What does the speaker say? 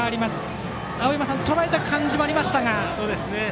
青山さん、とらえた感じもありましたが。